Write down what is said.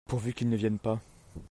Pourvu qu'ils ne viennent pas !